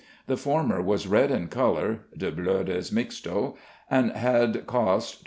The former was red in colour (de blodes mixto) and had cost £21.